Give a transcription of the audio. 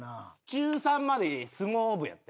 中３まで相撲部やって。